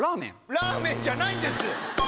ラーメンじゃないんです。